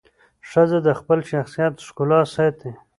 ښځه د خپل شخصیت ښکلا ساتي.